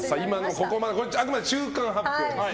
これはあくまで中間発表です。